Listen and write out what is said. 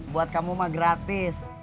buat kamu mah gratis